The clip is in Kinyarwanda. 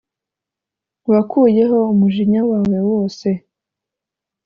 Wakuyeho umujinya wawe wose